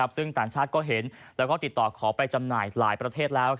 ซึ่งต่างชาติก็เห็นแล้วก็ติดต่อขอไปจำหน่ายหลายประเทศแล้ว